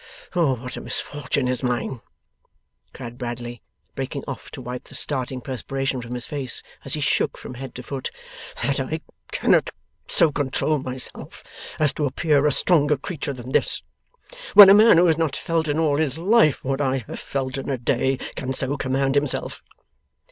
Oh, what a misfortune is mine,' cried Bradley, breaking off to wipe the starting perspiration from his face as he shook from head to foot, 'that I cannot so control myself as to appear a stronger creature than this, when a man who has not felt in all his life what I have felt in a day can so command himself!